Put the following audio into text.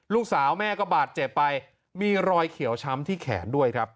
ลูกสาวแม่ก็บาดเจ็บไปมีรอยเขียวช้ำที่แขนด้วยครับ